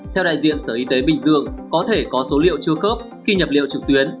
theo đại diện sở y tế bình dương có thể có số liệu chưa khớp khi nhập liệu trực tuyến